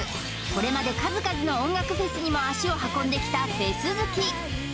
これまで数々の音楽フェスにも足を運んできたフェス好き